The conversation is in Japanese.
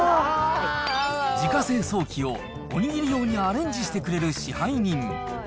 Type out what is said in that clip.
自家製ソーキをおにぎり用にアレンジしてくれる支配人。